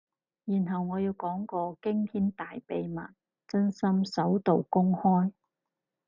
然後我要講個驚天大秘密，真心首度公開